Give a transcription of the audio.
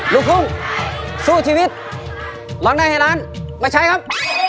ลูกทุ่งสู้ชีวิตร้องได้ให้ล้านมาใช้ครับ